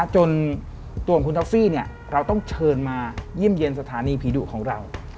จนตัวของคุณท็อฟฟี่เราต้องเชิญมาเยี่ยมเยี่ยมสถานีผีดุของเรา